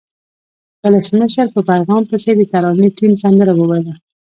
ولسمشر په پیغام پسې د ترانې ټیم سندره وویله.